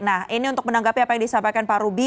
nah ini untuk menanggapi apa yang disampaikan pak ruby